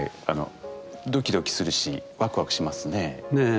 ドキドキするしワクワクしますねえ。